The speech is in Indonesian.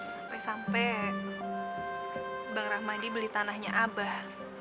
sampai sampai bang rahmadi beli tanahnya abah